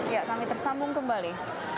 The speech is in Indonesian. ya kami tersambung kembali